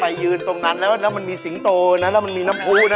ไปยืนตรงนั้นแล้วมันมีสิงโตย์แล้วมีน้ำผูย์